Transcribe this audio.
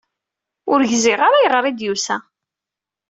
Ur gziɣ ara ayɣer i d-yusa.